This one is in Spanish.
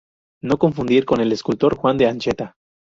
No confundir con el escultor Juan de Ancheta.